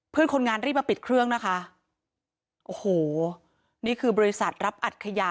เพื่อนคนงานรีบมาปิดเครื่องนะคะโอ้โหนี่คือบริษัทรับอัดขยะ